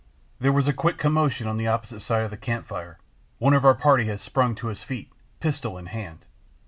There was a quick commotion on the opposite side of the campfire: one of our party had sprung to his feet, pistol in hand.